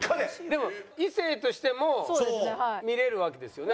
でも異性としても見れるわけですよね？